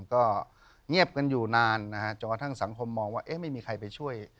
ก็เงียบกันอยู่นานนะฮะจนกระทั่งสังคมมองว่าไม่มีใครไปช่วย